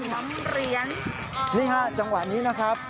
หลังเหรียญนี่ค่ะจังหวัดนี้นะครับ